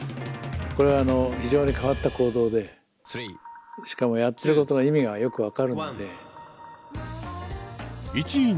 これは非常に変わった行動でしかもやってることの意味がよく分かるので。